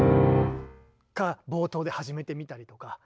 が冒頭で始めてみたりとか。